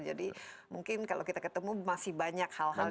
jadi mungkin kalau kita ketemu masih banyak hal hal